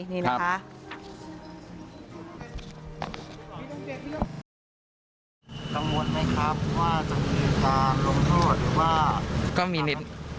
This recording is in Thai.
ตังควรไหมครับว่าจะมีภารกฎหรือว่า